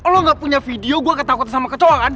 lo gak punya video gue ketakutan sama kecoa kan